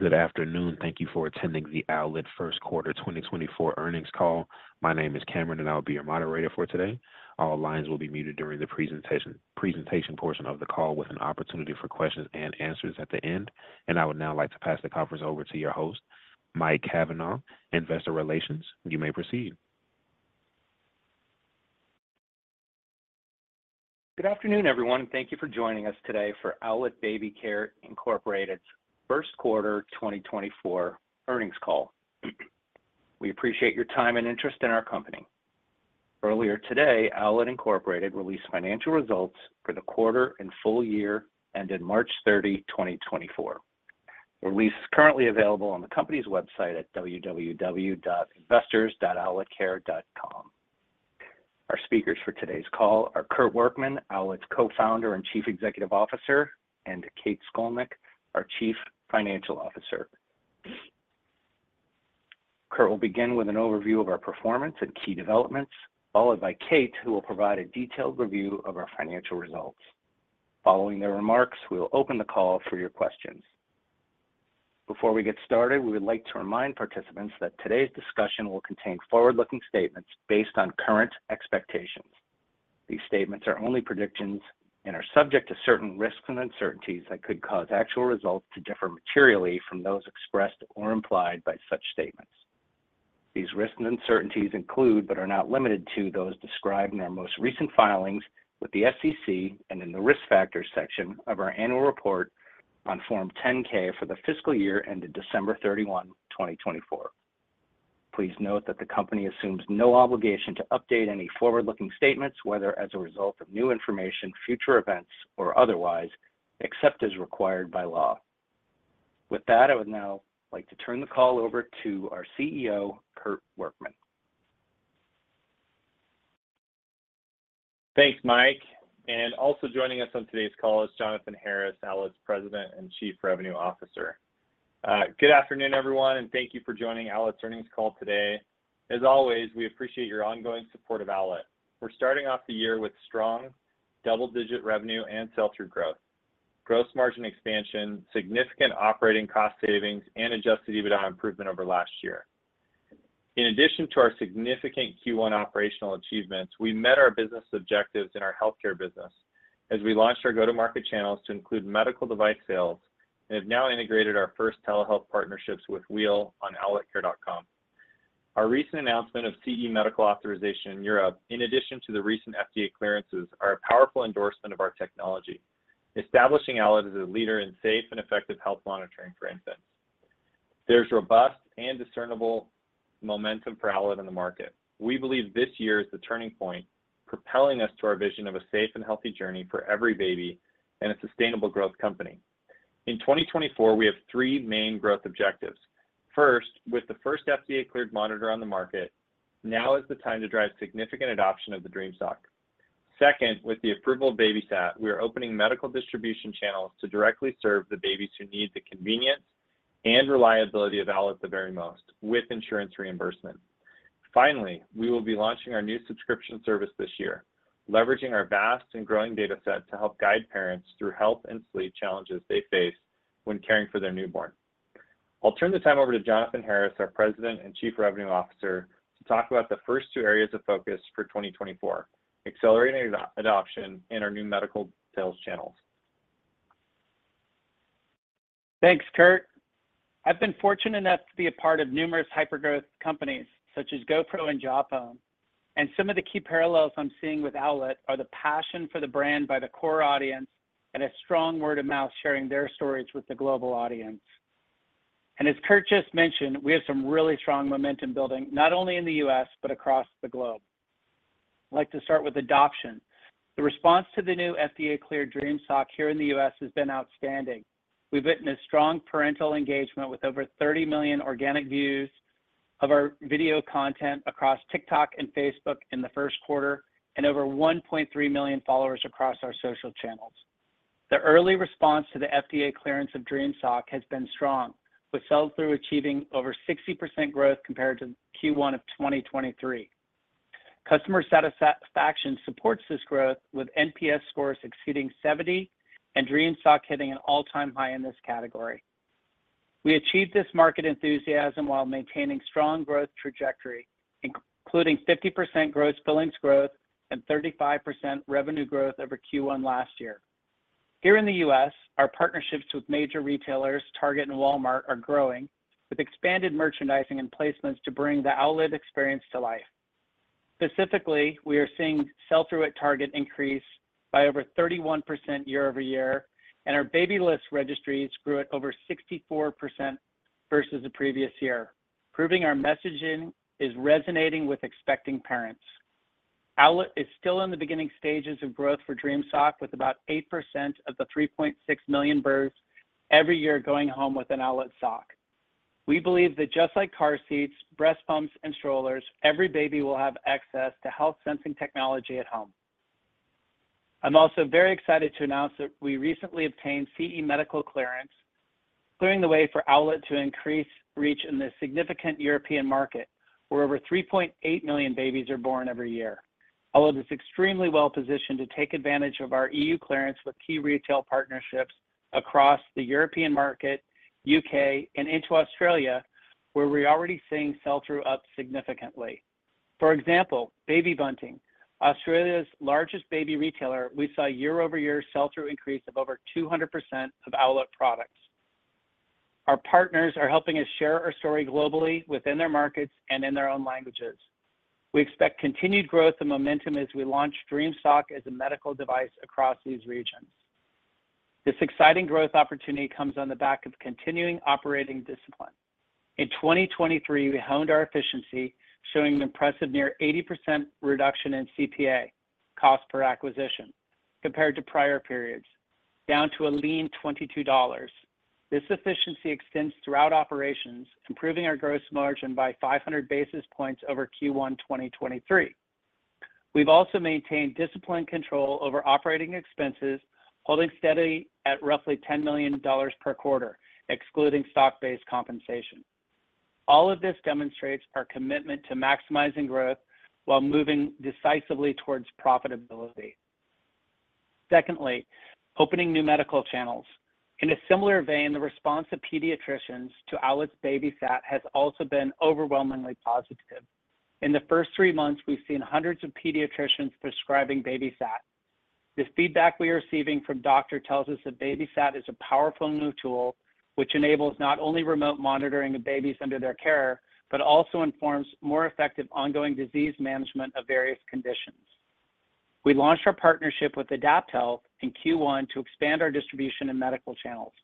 Good afternoon. Thank you for attending the Owlet first quarter 2024 earnings call. My name is Cameron, and I'll be your moderator for today. All lines will be muted during the presentation portion of the call, with an opportunity for questions and answers at the end. I would now like to pass the conference over to your host, Mike Cavanaugh, Investor Relations. You may proceed. Good afternoon, everyone. Thank you for joining us today for Owlet Baby Care Incorporated's first quarter 2024 earnings call. We appreciate your time and interest in our company. Earlier today, Owlet Incorporated released financial results for the quarter and full year, ended March 30, 2024. The release is currently available on the company's website at www.investors.owletcare.com. Our speakers for today's call are Kurt Workman, Owlet's Co-Founder and Chief Executive Officer, and Kate Scolnick, our Chief Financial Officer. Kurt will begin with an overview of our performance and key developments, followed by Kate, who will provide a detailed review of our financial results. Following their remarks, we will open the call for your questions. Before we get started, we would like to remind participants that today's discussion will contain forward-looking statements based on current expectations. These statements are only predictions and are subject to certain risks and uncertainties that could cause actual results to differ materially from those expressed or implied by such statements. These risks and uncertainties include, but are not limited to, those described in our most recent filings with the SEC and in the Risk Factors section of our annual report on Form 10-K for the fiscal year ended December 31, 2024. Please note that the company assumes no obligation to update any forward-looking statements, whether as a result of new information, future events, or otherwise, except as required by law. With that, I would now like to turn the call over to our CEO, Kurt Workman. Thanks, Mike. And also joining us on today's call is Jonathan Harris, Owlet's President and Chief Revenue Officer. Good afternoon, everyone, and thank you for joining Owlet's earnings call today. As always, we appreciate your ongoing support of Owlet. We're starting off the year with strong double-digit revenue and sell-through growth, gross margin expansion, significant operating cost savings, and adjusted EBITDA improvement over last year. In addition to our significant Q1 operational achievements, we met our business objectives in our healthcare business as we launched our go-to-market channels to include medical device sales and have now integrated our first telehealth partnerships with Wheel on owletcare.com. Our recent announcement of CE medical authorization in Europe, in addition to the recent FDA clearances, are a powerful endorsement of our technology, establishing Owlet as a leader in safe and effective health monitoring for infants. There's robust and discernible momentum for Owlet in the market. We believe this year is the turning point, propelling us to our vision of a safe and healthy journey for every baby and a sustainable growth company. In 2024, we have three main growth objectives. First, with the first FDA-cleared monitor on the market, now is the time to drive significant adoption of the Dream Sock. Second, with the approval of BabySat, we are opening medical distribution channels to directly serve the babies who need the convenience and reliability of Owlet the very most with insurance reimbursement. Finally, we will be launching our new subscription service this year, leveraging our vast and growing data set to help guide parents through health and sleep challenges they face when caring for their newborn. I'll turn this time over to Jonathan Harris, our President and Chief Revenue Officer, to talk about the first two areas of focus for 2024: accelerating adoption and our new medical sales channels. Thanks, Kurt. I've been fortunate enough to be a part of numerous hypergrowth companies, such as GoPro and Jawbone, and some of the key parallels I'm seeing with Owlet are the passion for the brand by the core audience and a strong word-of-mouth, sharing their stories with the global audience. And as Kurt just mentioned, we have some really strong momentum building, not only in the U.S., but across the globe. I'd like to start with adoption. The response to the new FDA-cleared Dream Sock here in the U.S. has been outstanding. We've witnessed strong parental engagement, with over 30 million organic views of our video content across TikTok and Facebook in the first quarter and over 1.3 million followers across our social channels. The early response to the FDA clearance of Dream Sock has been strong, with sell-through achieving over 60% growth compared to Q1 of 2023. Customer satisfaction supports this growth, with NPS scores exceeding 70, and Dream Sock hitting an all-time high in this category. We achieved this market enthusiasm while maintaining strong growth trajectory, including 50% gross billings growth and 35% revenue growth over Q1 last year. Here in the US, our partnerships with major retailers, Target and Walmart, are growing, with expanded merchandising and placements to bring the Owlet experience to life. Specifically, we are seeing sell-through at Target increase by over 31% year-over-year, and our Babylist registries grew at over 64% versus the previous year, proving our messaging is resonating with expecting parents. Owlet is still in the beginning stages of growth for Dream Sock, with about 8% of the 3.6 million births every year going home with an Owlet Sock. We believe that just like car seats, breast pumps, and strollers, every baby will have access to health sensing technology at home. I'm also very excited to announce that we recently obtained CE medical clearance, clearing the way for Owlet to increase reach in the significant European market, where over 3.8 million babies are born every year. Although it's extremely well-positioned to take advantage of our Europe clearance with key retail partnerships across the European market, U.K., and into Australia, where we're already seeing sell-through up significantly. For example, Baby Bunting, Australia's largest baby retailer, we saw year-over-year sell-through increase of over 200% of Owlet products. Our partners are helping us share our story globally, within their markets, and in their own languages. We expect continued growth and momentum as we launch Dream Sock as a medical device across these regions. This exciting growth opportunity comes on the back of continuing operating discipline. In 2023, we honed our efficiency, showing an impressive near 80% reduction in CPA, cost per acquisition, compared to prior periods, down to a lean $22. This efficiency extends throughout operations, improving our gross margin by 500 basis points over Q1 2023. We've also maintained disciplined control over operating expenses, holding steady at roughly $10 million per quarter, excluding stock-based compensation. All of this demonstrates our commitment to maximizing growth while moving decisively towards profitability. Secondly, opening new medical channels. In a similar vein, the response of pediatricians to Owlet's BabySat has also been overwhelmingly positive. In the first three months, we've seen hundreds of pediatricians prescribing BabySat. This feedback we are receiving from doctor tells us that BabySat is a powerful new tool, which enables not only remote monitoring of babies under their care, but also informs more effective ongoing disease management of various conditions. We launched our partnership with AdaptHealth in Q1 to expand our distribution in medical channels.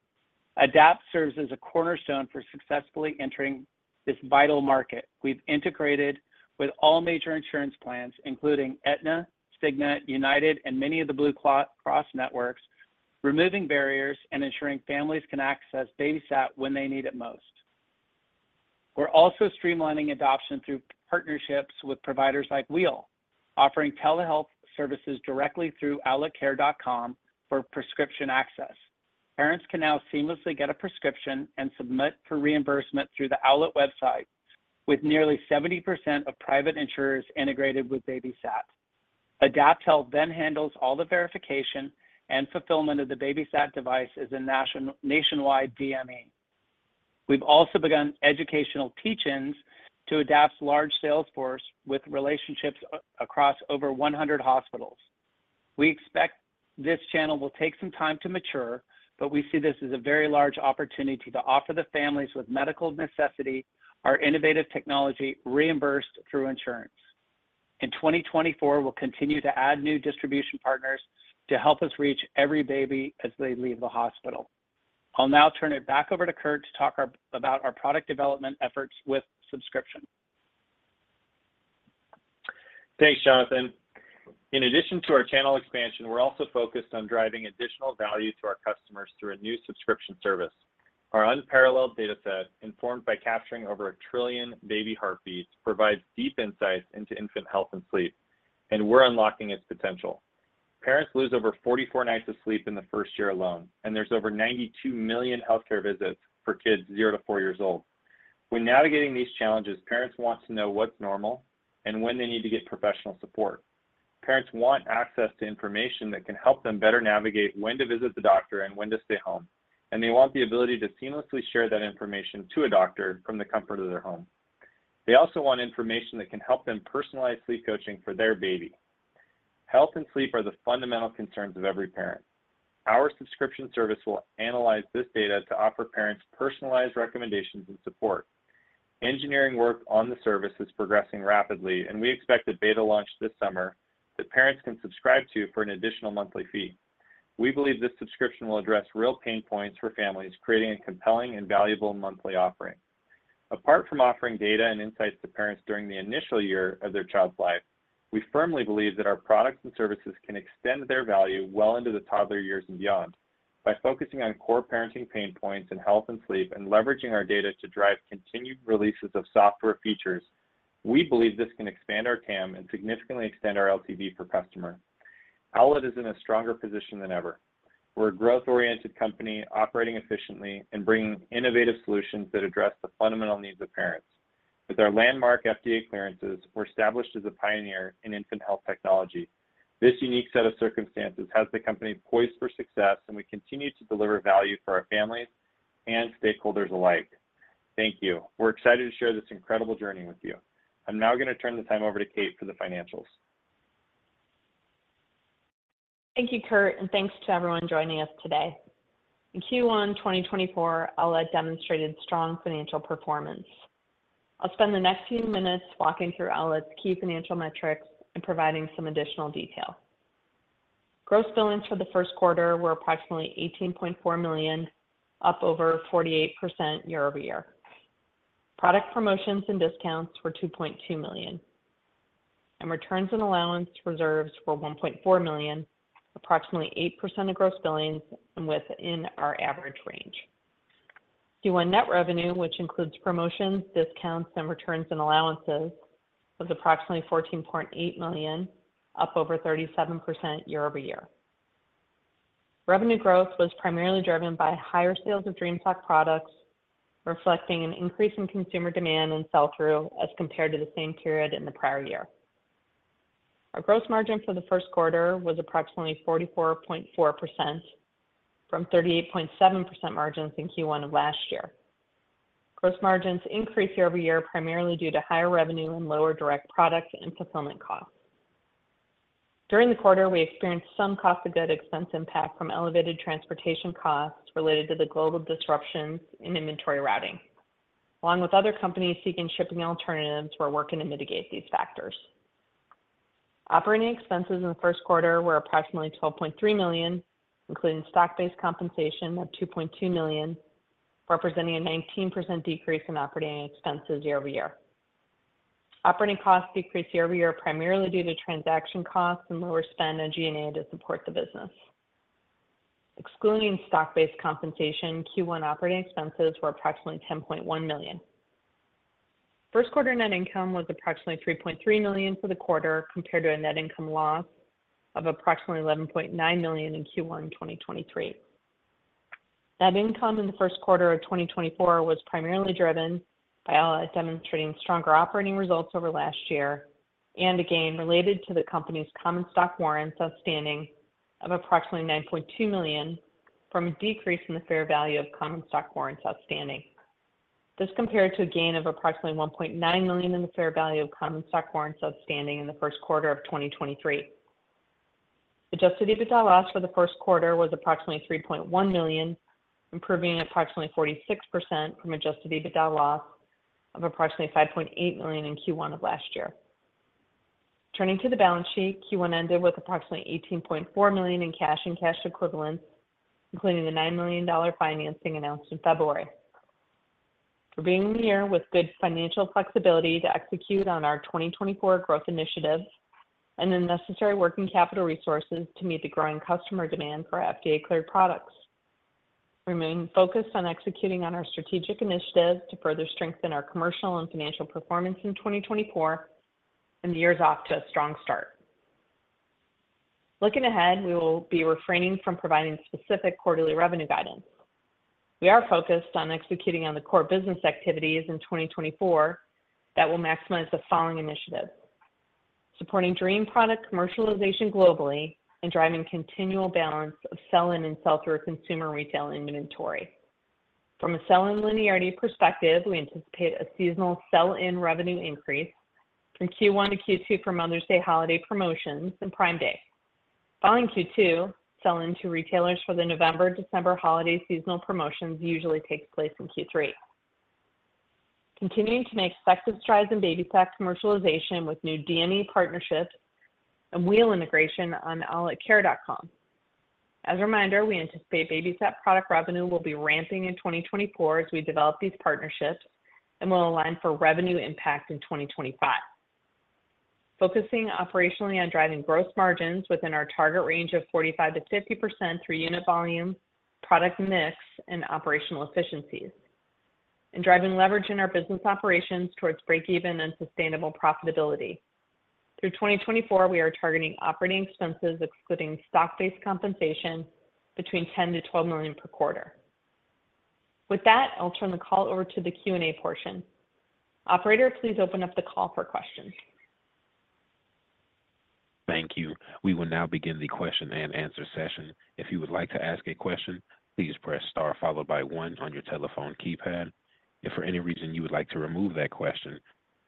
AdaptHealth serves as a cornerstone for successfully entering this vital market. We've integrated with all major insurance plans, including Aetna, Cigna, United, and many of the Blue Cross networks, removing barriers and ensuring families can access BabySat when they need it most. We're also streamlining adoption through partnerships with providers like Wheel, offering telehealth services directly through owletcare.com for prescription access. Parents can now seamlessly get a prescription and submit for reimbursement through the Owlet website, with nearly 70% of private insurers integrated with BabySat. AdaptHealth then handles all the verification and fulfillment of the BabySat device as a nationwide DME. We've also begun educational teach-ins to AdaptHealth's large sales force with relationships across over 100 hospitals. We expect this channel will take some time to mature, but we see this as a very large opportunity to offer the families with medical necessity, our innovative technology reimbursed through insurance. In 2024, we'll continue to add new distribution partners to help us reach every baby as they leave the hospital. I'll now turn it back over to Kurt to talk about our product development efforts with subscription. Thanks, Jonathan. In addition to our channel expansion, we're also focused on driving additional value to our customers through a new subscription service. Our unparalleled data set, informed by capturing over 1 trillion baby heartbeats, provides deep insights into infant health and sleep, and we're unlocking its potential. Parents lose over 44 nights of sleep in the first year alone, and there's over 92 million healthcare visits for kids 0-4 years old. When navigating these challenges, parents want to know what's normal and when they need to get professional support. Parents want access to information that can help them better navigate when to visit the doctor and when to stay home, and they want the ability to seamlessly share that information to a doctor from the comfort of their home. They also want information that can help them personalize sleep coaching for their baby. Health and sleep are the fundamental concerns of every parent. Our subscription service will analyze this data to offer parents personalized recommendations and support. Engineering work on the service is progressing rapidly, and we expect a beta launch this summer that parents can subscribe to for an additional monthly fee. We believe this subscription will address real pain points for families, creating a compelling and valuable monthly offering. Apart from offering data and insights to parents during the initial year of their child's life, we firmly believe that our products and services can extend their value well into the toddler years and beyond. By focusing on core parenting pain points in health and sleep, and leveraging our data to drive continued releases of software features, we believe this can expand our TAM and significantly extend our LTV per customer. Owlet is in a stronger position than ever. We're a growth-oriented company, operating efficiently and bringing innovative solutions that address the fundamental needs of parents. With our landmark FDA clearances, we're established as a pioneer in infant health technology. This unique set of circumstances has the company poised for success, and we continue to deliver value for our families and stakeholders alike. Thank you. We're excited to share this incredible journey with you. I'm now gonna turn the time over to Kate for the financials. Thank you, Kurt, and thanks to everyone joining us today. In Q1 2024, Owlet demonstrated strong financial performance. I'll spend the next few minutes walking through Owlet's key financial metrics and providing some additional detail. Gross billings for the first quarter were approximately $18.4 million, up over 48% year-over-year. Product promotions and discounts were $2.2 million, and returns and allowance reserves were $1.4 million, approximately 8% of gross billings and within our average range. Q1 net revenue, which includes promotions, discounts, and returns and allowances, was approximately $14.8 million, up over 37% year-over-year.... Revenue growth was primarily driven by higher sales of Dream Sock products, reflecting an increase in consumer demand and sell-through as compared to the same period in the prior year. Our gross margin for the first quarter was approximately 44.4%, from 38.7% margins in Q1 of last year. Gross margins increased year-over-year, primarily due to higher revenue and lower direct products and fulfillment costs. During the quarter, we experienced some cost of goods expense impact from elevated transportation costs related to the global disruptions in inventory routing. Along with other companies seeking shipping alternatives, we're working to mitigate these factors. Operating expenses in the first quarter were approximately $12.3 million, including stock-based compensation of $2.2 million, representing a 19% decrease in operating expenses year-over-year. Operating costs decreased year-over-year, primarily due to transaction costs and lower spend on G&A to support the business. Excluding stock-based compensation, Q1 operating expenses were approximately $10.1 million. First quarter net income was approximately $3.3 million for the quarter, compared to a net income loss of approximately $11.9 million in Q1 2023. Net income in the first quarter of 2024 was primarily driven by Owlet demonstrating stronger operating results over last year, and a gain related to the company's common stock warrants outstanding of approximately $9.2 million from a decrease in the fair value of common stock warrants outstanding. This compared to a gain of approximately $1.9 million in the fair value of common stock warrants outstanding in the first quarter of 2023. Adjusted EBITDA loss for the first quarter was approximately $3.1 million, improving approximately 46% from adjusted EBITDA loss of approximately $5.8 million in Q1 of last year. Turning to the balance sheet, Q1 ended with approximately $18.4 million in cash and cash equivalents, including the $9 million financing announced in February. We're beginning the year with good financial flexibility to execute on our 2024 growth initiatives and the necessary working capital resources to meet the growing customer demand for FDA-cleared products. Remain focused on executing on our strategic initiatives to further strengthen our commercial and financial performance in 2024, and the year is off to a strong start. Looking ahead, we will be refraining from providing specific quarterly revenue guidance. We are focused on executing on the core business activities in 2024 that will maximize the following initiatives: supporting Dream product commercialization globally and driving continual balance of sell-in and sell-through consumer retail inventory. From a sell-in linearity perspective, we anticipate a seasonal sell-in revenue increase from Q1 -Q2 for Mother's Day holiday promotions and Prime Day. Following Q2, sell-in to retailers for the November, December holiday seasonal promotions usually takes place in Q3. Continuing to make decisive strides in BabySat commercialization with new DME partnerships and Wheel integration on owletcare.com. As a reminder, we anticipate BabySat product revenue will be ramping in 2024 as we develop these partnerships and will align for revenue impact in 2025. Focusing operationally on driving gross margins within our target range of 45%-50% through unit volume, product mix, and operational efficiencies, and driving leverage in our business operations towards breakeven and sustainable profitability. Through 2024, we are targeting operating expenses, excluding stock-based compensation, between $10 million-$12 million per quarter. With that, I'll turn the call over to the Q&A portion. Operator, please open up the call for questions. Thank you. We will now begin the question-and-answer session. If you would like to ask a question, please press star followed by one on your telephone keypad. If for any reason you would like to remove that question,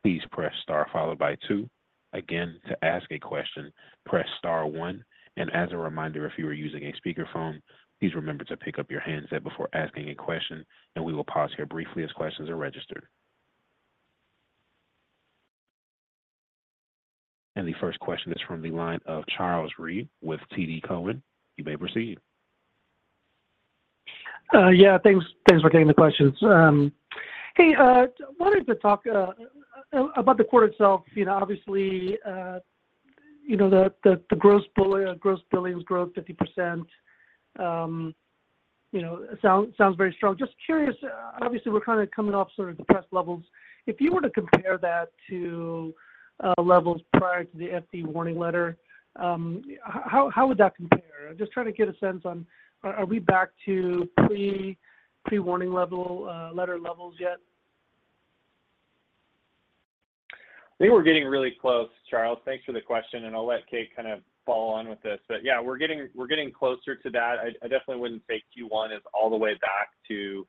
please press star followed by two. Again, to ask a question, press star one. And as a reminder, if you are using a speakerphone, please remember to pick up your handset before asking a question, and we will pause here briefly as questions are registered. And the first question is from the line of Charles Rhyee with TD Cowen. You may proceed. Yeah, thanks. Thanks for taking the questions. Hey, wanted to talk about the quarter itself. You know, obviously, you know, the gross billings growth 50%, you know, sounds very strong. Just curious, obviously, we're kind of coming off sort of depressed levels. If you were to compare that to levels prior to the FDA warning letter, how would that compare? I'm just trying to get a sense on, are we back to pre-warning letter levels yet? I think we're getting really close, Charles. Thanks for the question, and I'll let Kate kind of follow on with this. But yeah, we're getting closer to that. I definitely wouldn't say Q1 is all the way back to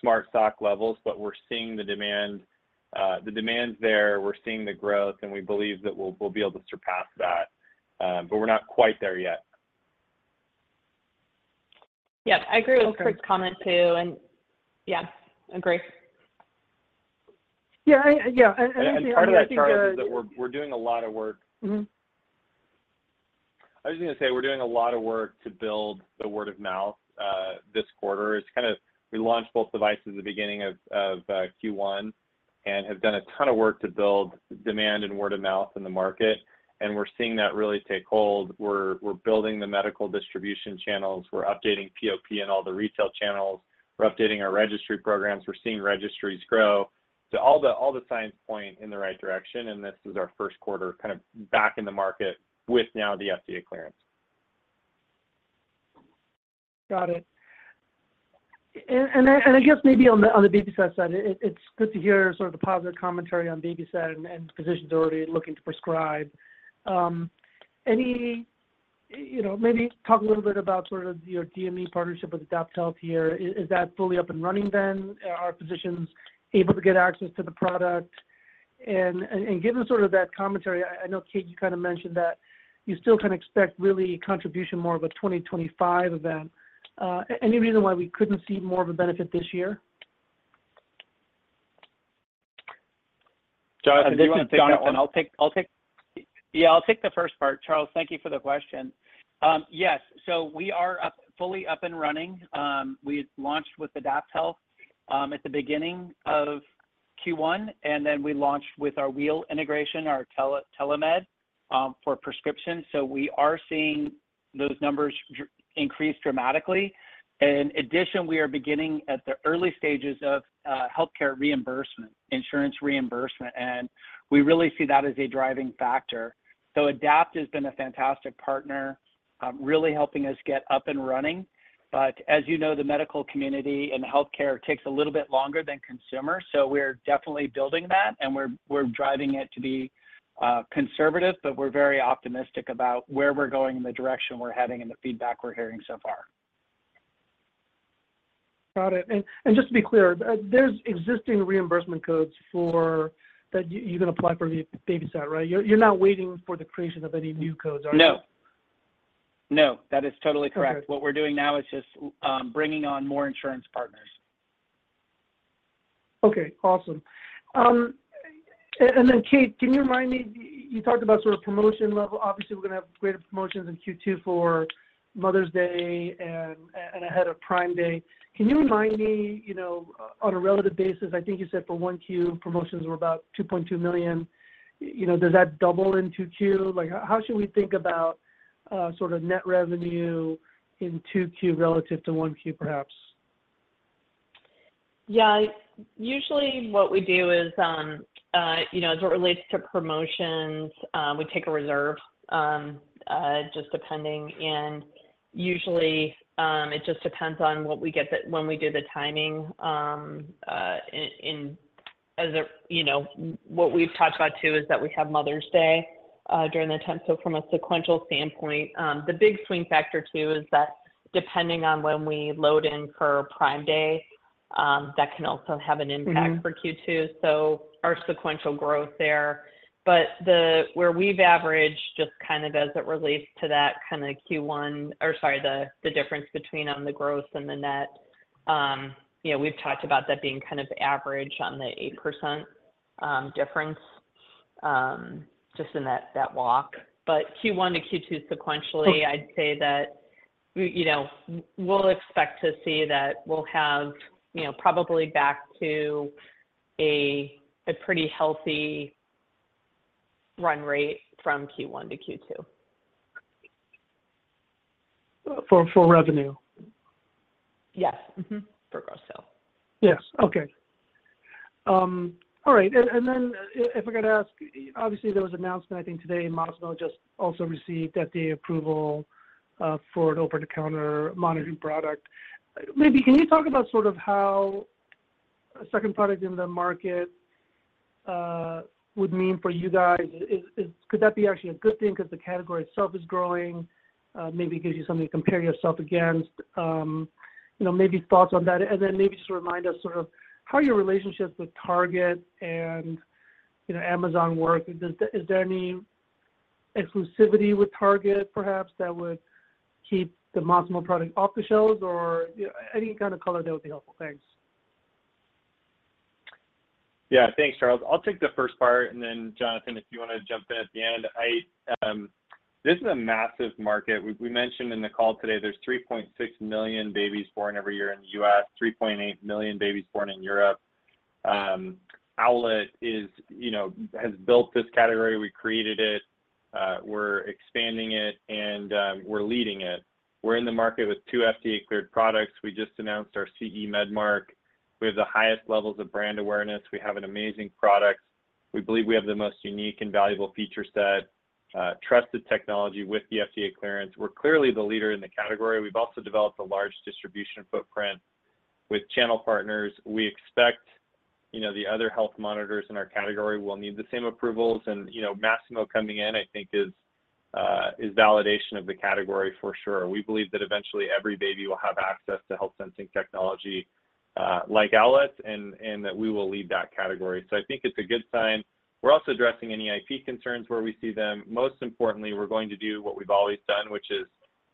Smart Sock levels, but we're seeing the demand. The demand's there, we're seeing the growth, and we believe that we'll be able to surpass that, but we're not quite there yet. Yeah, I agree with Kurt's comment, too. And yeah, agree. Yeah, I think the- And part of that, Charles, is that we're doing a lot of work. Mm-hmm. I was just gonna say, we're doing a lot of work to build the word of mouth. This quarter is kind of, we launched both devices at the beginning of Q1 and have done a ton of work to build demand and word of mouth in the market, and we're seeing that really take hold. We're building the medical distribution channels. We're updating POP and all the retail channels. We're updating our registry programs. We're seeing registries grow.... So all the signs point in the right direction, and this is our first quarter kind of back in the market with now the FDA clearance. Got it. And I guess maybe on the BabySat side, it's good to hear sort of the positive commentary on BabySat and physicians already looking to prescribe. You know, maybe talk a little bit about sort of your DME partnership with AdaptHealth here. Is that fully up and running then? Are physicians able to get access to the product? And given sort of that commentary, I know, Kate, you kind of mentioned that you still can expect really contribution more of a 2025 event. Any reason why we couldn't see more of a benefit this year? Jonathan, do you want to take that one? Jonathan, I'll take. I'll take. Yeah, I'll take the first part. Charles, thank you for the question. Yes, so we are up, fully up and running. We launched with AdaptHealth at the beginning of Q1, and then we launched with our Wheel integration, our telemed for prescription. So we are seeing those numbers increase dramatically. In addition, we are beginning at the early stages of healthcare reimbursement, insurance reimbursement, and we really see that as a driving factor. So AdaptHealth has been a fantastic partner, really helping us get up and running. But as you know, the medical community and healthcare takes a little bit longer than consumer, so we're definitely building that, and we're driving it to be conservative, but we're very optimistic about where we're going and the direction we're heading, and the feedback we're hearing so far. Got it. And, and just to be clear, there's existing reimbursement codes for... that you, you can apply for the BabySat, right? You're, you're not waiting for the creation of any new codes, are you? No. No, that is totally correct. Okay. What we're doing now is just bringing on more insurance partners. Okay, awesome. And, and then, Kate, can you remind me, you talked about sort of promotion level. Obviously, we're going to have greater promotions in Q2 for Mother's Day and, and ahead of Prime Day. Can you remind me, you know, on a relative basis, I think you said for 1Q, promotions were about $2.2 million. You know, does that double in 2Q? Like, how should we think about, sort of net revenue in 2Q relative to 1Q, perhaps? Yeah. Usually, what we do is, you know, as it relates to promotions, we take a reserve, just depending. And usually, it just depends on what we get the- when we do the timing, in, in, as a... You know, what we've talked about, too, is that we have Mother's Day, during the time. So from a sequential standpoint, the big swing factor, too, is that depending on when we load in for Prime Day, that can also have an impact- Mm-hmm... for Q2, so our sequential growth there. But where we've averaged, just kind of as it relates to that kind of Q1, or sorry, the difference between on the growth and the net, you know, we've talked about that being kind of average on the 8% difference, just in that, that walk. But Q1-Q2 sequentially- Sure... I'd say that, we, you know, we'll expect to see that we'll have, you know, probably back to a, a pretty healthy run rate from Q1-Q2. For revenue? Yes. Mm-hmm, for gross sales. Yes. Okay. All right, and then if I could ask, obviously, there was an announcement, I think today, Masimo just also received that the approval for an over-the-counter monitoring product. Maybe can you talk about sort of how a second product in the market would mean for you guys? Could that be actually a good thing because the category itself is growing, maybe gives you something to compare yourself against? You know, maybe thoughts on that. And then maybe just remind us sort of how your relationships with Target and, you know, Amazon work. Is there any exclusivity with Target, perhaps, that would keep the Masimo product off the shelves? Or, you know, any kind of color there would be helpful. Thanks. Yeah. Thanks, Charles. I'll take the first part, and then Jonathan, if you want to jump in at the end. I, this is a massive market. We, we mentioned in the call today, there's 3.6 million babies born every year in the U.S., 3.8 million babies born in Europe. Owlet is, you know, has built this category. We created it, we're expanding it, and, we're leading it. We're in the market with two FDA-cleared products. We just announced our CE-made mark. We have the highest levels of brand awareness. We have an amazing product. We believe we have the most unique and valuable feature set, trusted technology with the FDA clearance. We're clearly the leader in the category. We've also developed a large distribution footprint with channel partners. We expect, you know, the other health monitors in our category will need the same approvals. And, you know, Masimo coming in, I think, is validation of the category for sure. We believe that eventually every baby will have access to health sensing technology like Owlet, and that we will lead that category. So I think it's a good sign. We're also addressing any IP concerns where we see them. Most importantly, we're going to do what we've always done, which is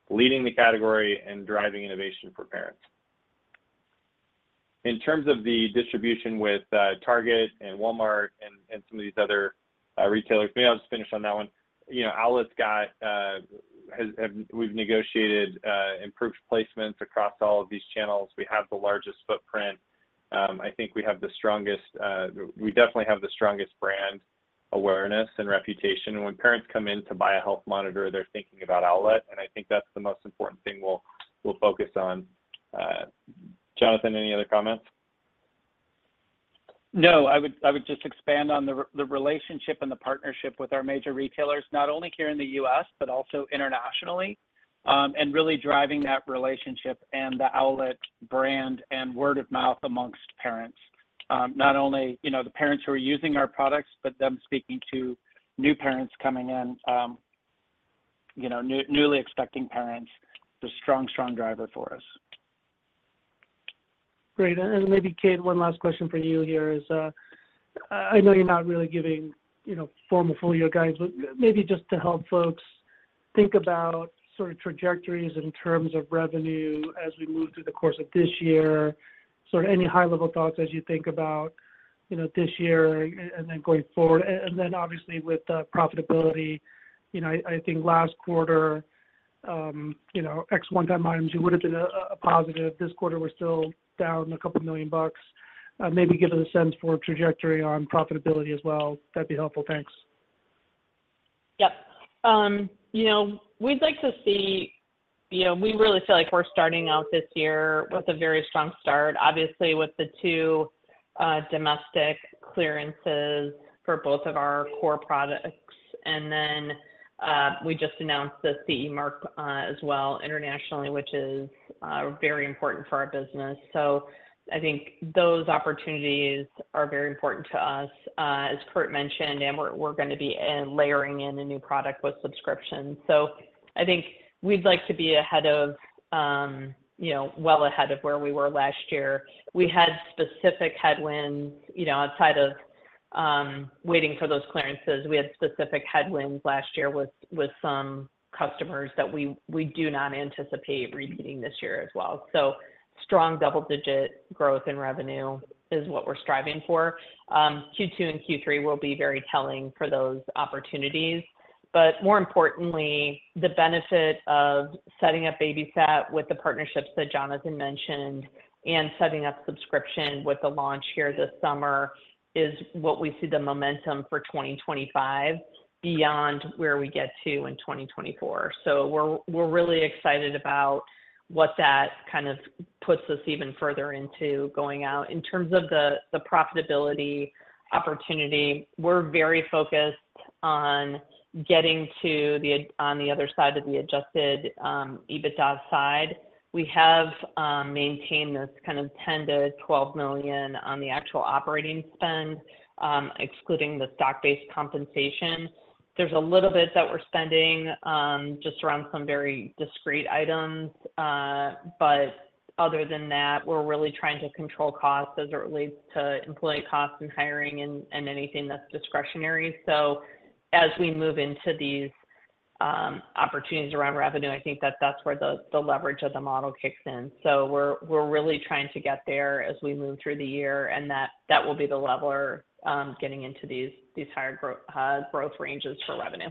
leading the category and driving innovation for parents. In terms of the distribution with Target and Walmart and some of these other retailers, maybe I'll just finish on that one. You know, Owlet has, we've negotiated improved placements across all of these channels. We have the largest footprint. I think we have the strongest, we definitely have the strongest brand awareness and reputation. When parents come in to buy a health monitor, they're thinking about Owlet, and I think that's the most important thing we'll focus on. Jonathan, any other comments? No, I would just expand on the relationship and the partnership with our major retailers, not only here in the U.S., but also internationally. And really driving that relationship and the Owlet brand and word-of-mouth amongst parents. Not only, you know, the parents who are using our products, but them speaking to new parents coming in, you know, newly expecting parents, is a strong, strong driver for us. Great. And maybe, Kate, one last question for you here is, I know you're not really giving, you know, formal full-year guidance, but maybe just to help folks think about sort of trajectories in terms of revenue as we move through the course of this year. Sort of any high-level thoughts as you think about, you know, this year and then going forward. And then obviously, with the profitability, you know, I think last quarter, you know, ex one-time items, it would have been a positive. This quarter, we're still down $2 million. Maybe give us a sense for trajectory on profitability as well. That'd be helpful. Thanks. Yep. You know, we'd like to see... You know, we really feel like we're starting out this year with a very strong start, obviously, with the 2 domestic clearances for both of our core products. And then, we just announced the CE mark as well internationally, which is very important for our business. So I think those opportunities are very important to us, as Kurt mentioned, and we're gonna be layering in a new product with subscription. So I think we'd like to be ahead of, you know, well ahead of where we were last year. We had specific headwinds, you know, outside of waiting for those clearances. We had specific headwinds last year with some customers that we do not anticipate repeating this year as well. So strong double-digit growth in revenue is what we're striving for. Q2 and Q3 will be very telling for those opportunities. But more importantly, the benefit of setting up BabySat with the partnerships that Jonathan mentioned and setting up subscription with the launch here this summer is what we see the momentum for 2025, beyond where we get to in 2024. So we're really excited about what that kind of puts us even further into going out. In terms of the profitability opportunity, we're very focused on getting to on the other side of the adjusted EBITDA side. We have maintained this kind of $10 million-$12 million on the actual operating spend, excluding the stock-based compensation. There's a little bit that we're spending, just around some very discrete items, but other than that, we're really trying to control costs as it relates to employee costs and hiring and, and anything that's discretionary. So as we move into these, opportunities around revenue, I think that that's where the, the leverage of the model kicks in. So we're, we're really trying to get there as we move through the year, and that, that will be the leveler, getting into these, these higher growth ranges for revenue.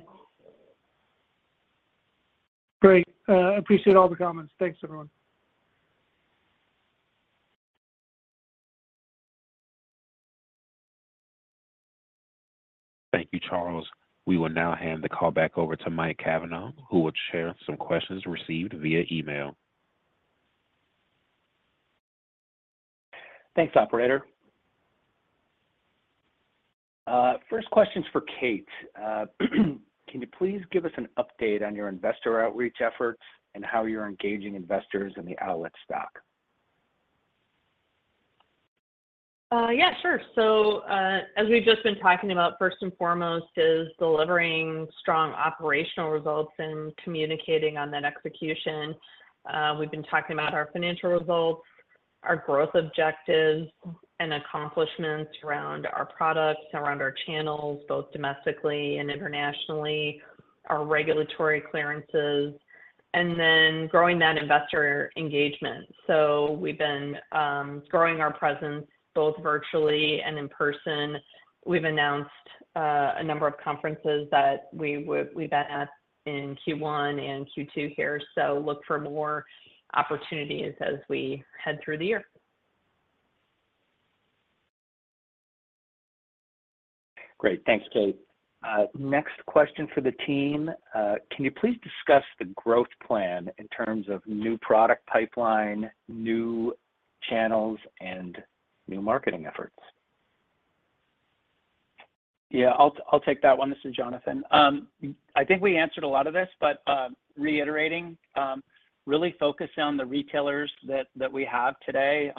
Great. Appreciate all the comments. Thanks, everyone. Thank you, Charles. We will now hand the call back over to Mike Cavanaugh, who will share some questions received via email. Thanks, operator. First question is for Kate. Can you please give us an update on your investor outreach efforts and how you're engaging investors in the Owlet stock? Yeah, sure. So, as we've just been talking about, first and foremost, is delivering strong operational results and communicating on that execution. We've been talking about our financial results, our growth objectives, and accomplishments around our products, around our channels, both domestically and internationally, our regulatory clearances, and then growing that investor engagement. So we've been growing our presence both virtually and in person. We've announced a number of conferences we've been at in Q1 and Q2 here, so look for more opportunities as we head through the year. Great. Thanks, Kate. Next question for the team: Can you please discuss the growth plan in terms of new product pipeline, new channels, and new marketing efforts? Yeah, I'll, I'll take that one. This is Jonathan. I think we answered a lot of this, but, reiterating, really focused on the retailers that, that we have today.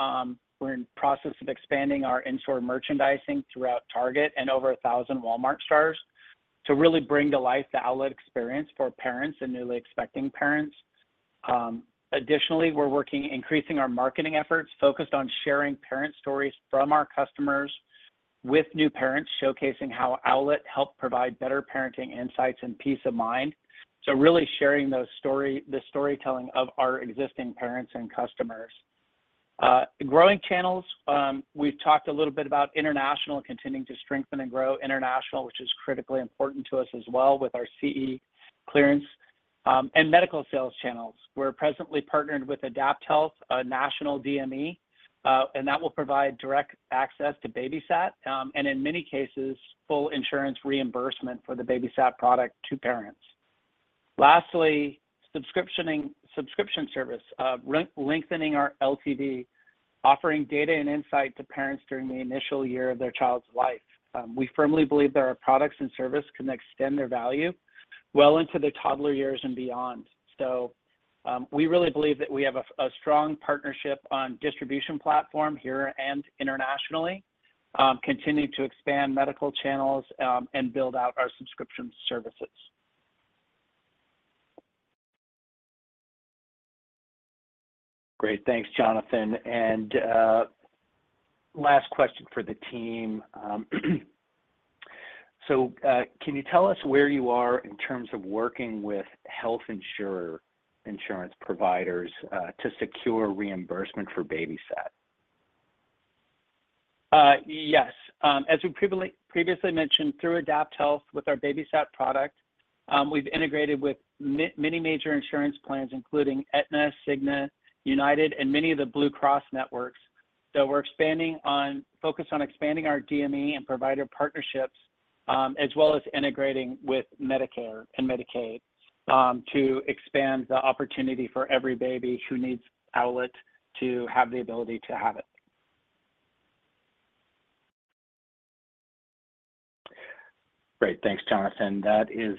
We're in process of expanding our in-store merchandising throughout Target and over 1,000 Walmart stores to really bring to life the Owlet experience for parents and newly expecting parents. Additionally, we're working, increasing our marketing efforts, focused on sharing parent stories from our customers, with new parents, showcasing how Owlet helped provide better parenting insights and peace of mind. So really sharing those story, the storytelling of our existing parents and customers. Growing channels, we've talked a little bit about international, continuing to strengthen and grow international, which is critically important to us as well with our CE clearance. And medical sales channels. We're presently partnered with AdaptHealth, a national DME, and that will provide direct access to BabySat, and in many cases, full insurance reimbursement for the BabySat product to parents. Lastly, subscription service. Lengthening our LTV, offering data and insight to parents during the initial year of their child's life. We firmly believe that our products and service can extend their value well into the toddler years and beyond. So, we really believe that we have a strong partnership on distribution platform here and internationally, continuing to expand medical channels, and build out our subscription services. Great. Thanks, Jonathan. And last question for the team. So, can you tell us where you are in terms of working with health insurer, insurance providers, to secure reimbursement for BabySat? Yes. As we previously mentioned, through AdaptHealth with our BabySat product, we've integrated with many major insurance plans, including Aetna, Cigna, United, and many of the Blue Cross networks. So we're focused on expanding our DME and provider partnerships, as well as integrating with Medicare and Medicaid, to expand the opportunity for every baby who needs Owlet to have the ability to have it. Great, thanks, Jonathan. That is,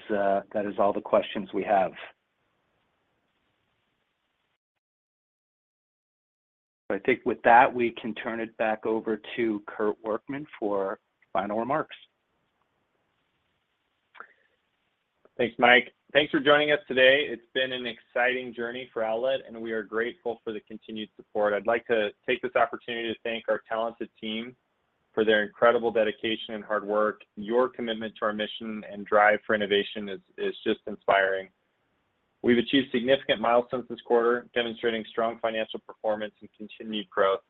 that is all the questions we have. I think with that, we can turn it back over to Kurt Workman for final remarks. Thanks, Mike. Thanks for joining us today. It's been an exciting journey for Owlet, and we are grateful for the continued support. I'd like to take this opportunity to thank our talented team for their incredible dedication and hard work. Your commitment to our mission and drive for innovation is just inspiring. We've achieved significant milestones this quarter, demonstrating strong financial performance and continued growth.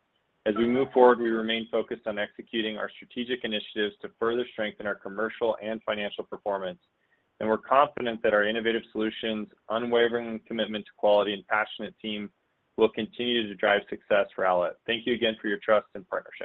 As we move forward, we remain focused on executing our strategic initiatives to further strengthen our commercial and financial performance, and we're confident that our innovative solutions, unwavering commitment to quality, and passionate team will continue to drive success for Owlet. Thank you again for your trust and partnership.